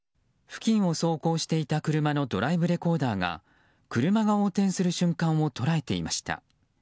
付近を走行していた車のドライブレコーダーが車が横転する瞬間を捉えていました。